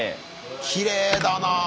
きれいだなあ。